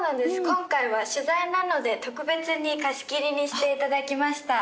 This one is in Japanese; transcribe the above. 今回は取材なので特別に貸し切りにしていただきました